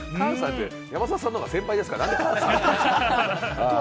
山里さんの方が先輩ですからね。